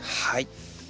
はい。